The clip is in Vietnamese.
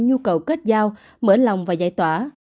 nhu cầu kết giao mở lòng và giải tỏa